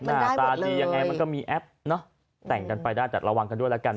หน้าตาดียังไงมันก็มีแอปเนอะแต่งกันไปได้แต่ระวังกันด้วยแล้วกัน